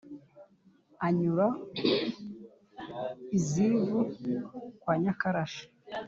Anyura i Zivu kwa Nyakarashi